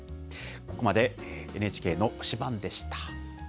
ここまでＮＨＫの推しバンでした。